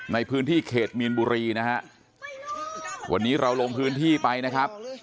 ในพื้นที่เขตมีนบุรีนะฮะวันนี้เราลงพื้นที่ไปนะครับ